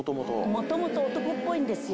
もともと男っぽいんですよ。